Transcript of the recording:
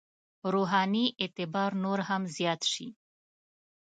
روحاني اعتبار نور هم زیات شي.